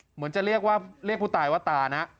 เหมือนจะเรียกว่าเรียกผู้ตายว่าตานะ